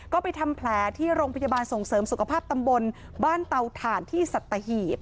ก็ไปทำแผลที่โรงพยาบาลส่งเสริมสุขภาพตำบลบ้านเตาถ่านที่สัตหีบ